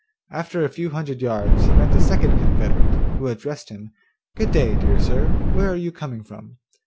After a few hundred yards he met the second confederate, who addressed him, 'Good day, dear sir, where are you coming from?